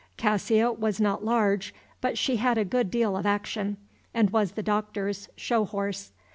Cassia was not large, but she had a good deal of action, and was the Doctor's show horse.